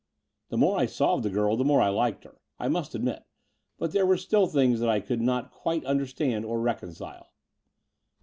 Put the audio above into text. The more I saw of the girl, the more I liked her, I must admit: but there were still things I could not quite understand or reconcile.